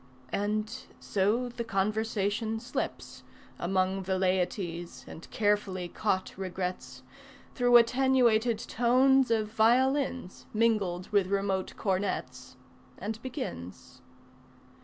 And so the conversation slips Among velleities and carefully caught regrets Through attenuated tones of violins Mingled with remote cornets And begins.